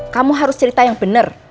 kamu harus cerita yang benar